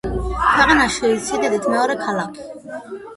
ქვეყანაში სიდიდით მეორე ქალაქი.